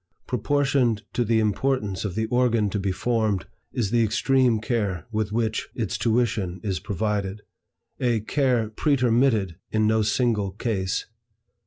Proportioned to the importance of the organ to be formed, is the extreme care with which its tuition is provided, a care pretermitted in no single case.